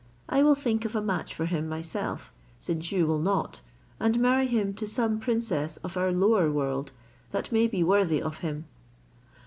I will think of a match for him myself, since you will not, and marry him to some princess of our lower world that may be worthy of him."